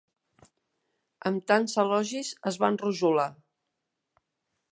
Amb tants elogis, es va enrojolar.